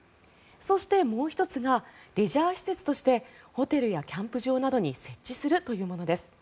そしてもう１つがレジャー施設としてホテルやキャンプ場などに設置するというものです。